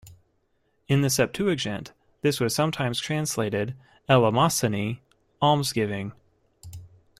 In the Septuagint this was sometimes translated "eleemosyne", "almsgiving.